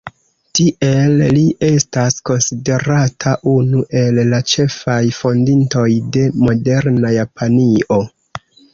Tiele li estas konsiderata unu el la ĉefaj fondintoj de moderna Japanio.